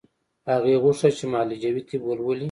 هغې غوښتل چې معالجوي طب ولولي